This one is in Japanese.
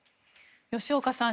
吉岡さん